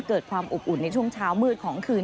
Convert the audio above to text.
เกิดความอบอุ่นในช่วงเช้ามืดของคืน